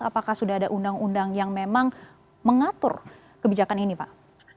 apakah sudah ada undang undang yang memang mengatur kebijakan ini pak